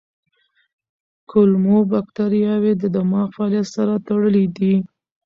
کولمو بکتریاوې د دماغ فعالیت سره تړلي دي.